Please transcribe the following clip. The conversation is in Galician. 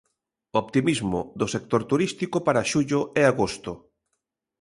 Optimismo do sector turístico para xullo e agosto.